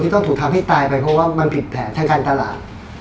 ต้องถูกทำให้ตายไปเพราะว่ามันผิดแผนทางการตลาด